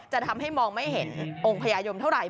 จะทำให้มองไม่เห็นองค์พญายมเท่าไหร